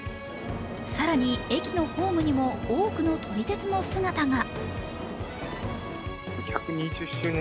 更に、駅のホームにも多くの撮り鉄の姿が。